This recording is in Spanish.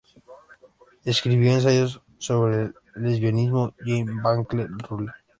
Escribió ensayos sobre el lesbianismo Jane Vance Rule.